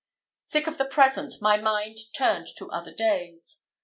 Sick of the present, my mind turned to other days.